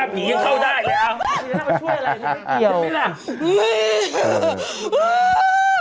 เปิดคลิปอันหลังไหม